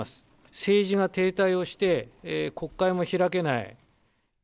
政治が停滞をして、国会も開けない。